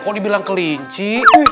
kok dibilang kelinci